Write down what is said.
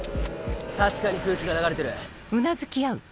確かに空気が流れてる。